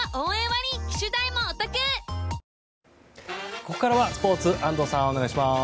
ここからはスポーツ安藤さん、お願いします。